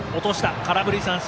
空振り三振！